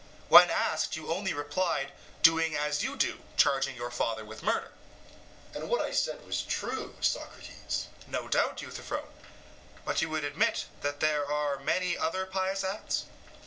When asked, you only replied, Doing as you do, charging your father with murder. EUTHYPHRO: And what I said was true, Socrates. SOCRATES: No doubt, Euthyphro; but you would admit that there are many other pious acts?